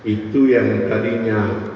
itu yang tadinya